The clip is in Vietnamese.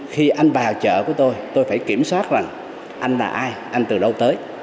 khi anh vào chợ của tôi tôi phải kiểm soát rằng anh là ai anh từ đâu tới